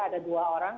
ada dua orang